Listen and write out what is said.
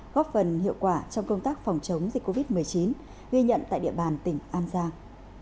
góp phần hiệu quả trong công tác phòng chống dịch covid một mươi chín ghi nhận tại địa bàn tỉnh an giang